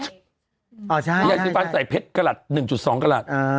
อยากจะชิมฟันใส่เพชรกระหลัด๑๒กระหลัด